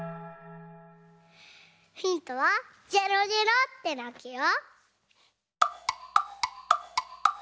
ヒントは「ゲロゲロ」ってなくよ！